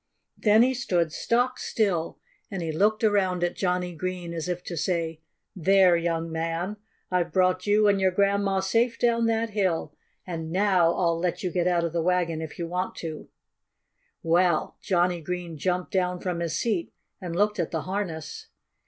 Then he stood stock still; and he looked around at Johnnie Green, as if to say, "There, young man! I've brought you and your grandma safe down that hill. And now I'll let you get out of the wagon, if you want to." Well, Johnnie Green jumped down from his seat and looked at the harness.